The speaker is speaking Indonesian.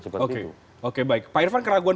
belum posisi dalaman